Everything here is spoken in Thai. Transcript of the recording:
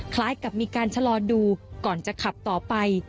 คล้ายกับมีการชะลอดูก่อนจะขับต่อไป